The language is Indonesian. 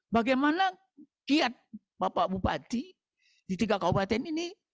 bagaimana kiat bapak bupati di tiga kabupaten ini